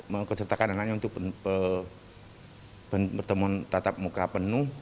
mengesertakan anaknya untuk bertemuan tatap muka penuh